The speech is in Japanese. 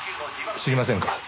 知りませんか？